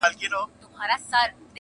• لکه شمع لمبه خورم لمبه مي وخوري -